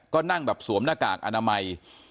ก็นั่งแบบสวมหน้ากากอนามัย